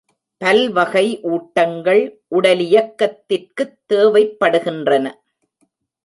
பல்வகை ஊட்டங்கள் உடலியக்கத்திற்குத் தேவைப்படுகின்றன.